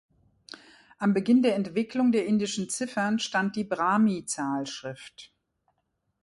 Am Beginn der Entwicklung der indischen Ziffern stand die Brahmi-Zahlschrift.